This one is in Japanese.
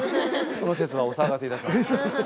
その節はお騒がせいたしました。